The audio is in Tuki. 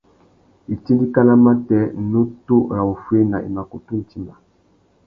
Itindikana matê, nutu râ wuffuéna i mà kutu timba.